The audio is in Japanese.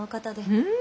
うん。